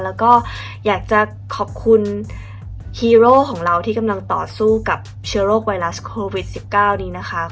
แล้วก็อยากจะขอบคุณฮีโร่ของเราที่กำลังต่อสู้กับเชื้อโรคไวรัสโควิด๑๙นี้นะคะ